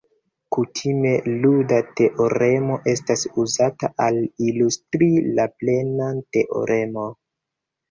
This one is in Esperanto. Kutime, luda teoremo estas uzata al ilustri la plenan teoremo.